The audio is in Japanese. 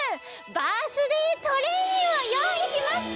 バースデートレインをよういしました！